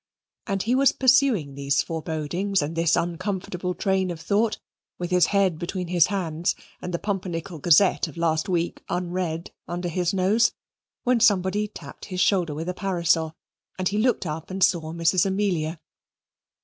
And he was pursuing these forebodings and this uncomfortable train of thought, with his head between his hands, and the Pumpernickel Gazette of last week unread under his nose, when somebody tapped his shoulder with a parasol, and he looked up and saw Mrs. Amelia.